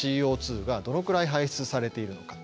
ＣＯがどのくらい排出されているのか。